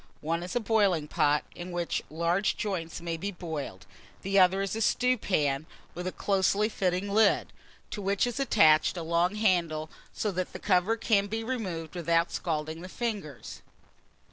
One is a boiling pot, in which large joints may be boiled; the other is a stewpan, with a closely fitting lid, to which is attached a long handle; so that the cover can be removed without scalding the fingers.